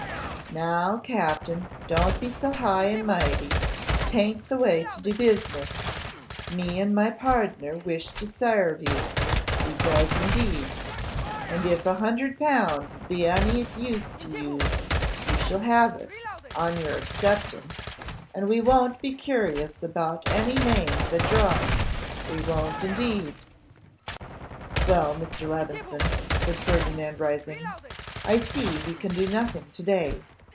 'Now, Captin, don't be so high and mighty! 'Tayn't the way to do business. Me and my pardner wish to sarve you; we does indeed. And if a hundred pound will be of any use to you, you shall have it on your acceptance; and we won't be curious about any name that draws; we won't indeed.' 'Well, Mr. Levison,' said Ferdinand, rising, 'I see we can do nothing to day.